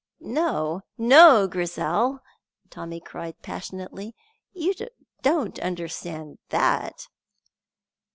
"No, no, Grizel," Tommy cried passionately, "you don't understand that!"